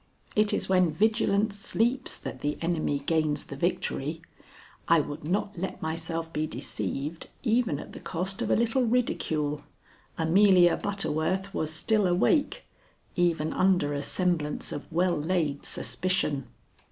It is when vigilance sleeps that the enemy gains the victory. I would not let myself be deceived even at the cost of a little ridicule. Amelia Butterworth was still awake, even under a semblance of well laid suspicion.